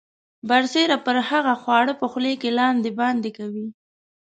برسیره پر هغه خواړه په خولې کې لاندې باندې کوي.